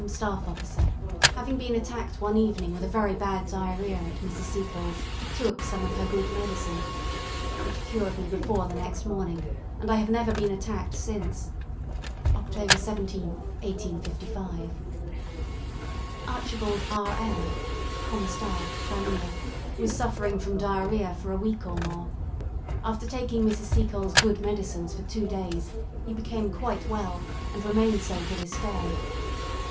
Staff Officer, having been attacked one evening with a very bad diarrhoea at Mrs. Seacole's, took some of her good medicine. It cured me before the next morning, and I have never been attacked since. October 17th, 1855." "Archibald R. L , Comm. Staff, Crimea, was suffering from diarrhoea for a week or more; after taking Mrs. Seacole's good medicines for two days, he became quite well, and remained so to this day.